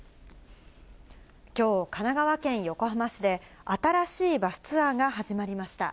きょう、神奈川県横浜市で、新しいバスツアーが始まりました。